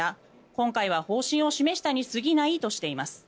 今回は方針を示したに過ぎないとしています。